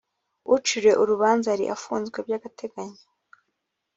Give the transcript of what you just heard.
uciriwe urubanza yari afunzwe by’ agateganyo